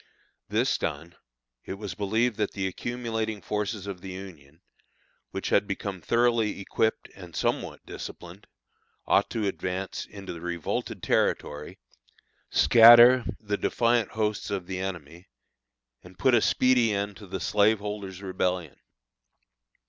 This done, it was believed that the accumulating forces of the Union, which had become thoroughly equipped and somewhat disciplined, ought to advance into the revolted territory, scatter the defiant hosts of the enemy, and put a speedy end to the slaveholders' Rebellion.